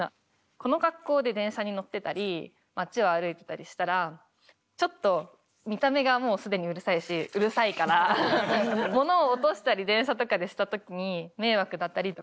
この格好で電車に乗ってたり街を歩いてたりしたらちょっと見た目がもう既にうるさいしうるさいから物を落としたり電車とかでした時に迷惑だったりとか。